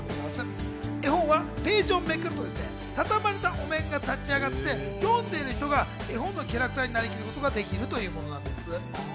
絵本はページをめくるとたたまれたお面が立ち上がって読んでいる人が絵本のキャラクターになりきることができるというものなんです。